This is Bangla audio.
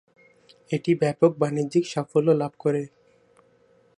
এটি ব্যাপক বাণিজ্যিক সাফল্য লাভ করে।